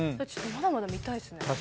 ちょっとまだまだ見たいですね。